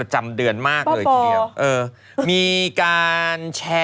เหรอ